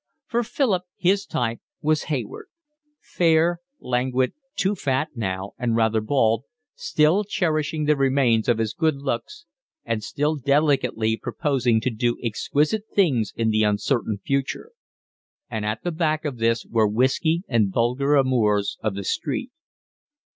For Philip his type was Hayward, fair, languid, too fat now and rather bald, still cherishing the remains of his good looks and still delicately proposing to do exquisite things in the uncertain future; and at the back of this were whiskey and vulgar amours of the street.